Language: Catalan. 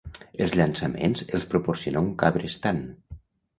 Els llançaments els proporciona un cabrestant.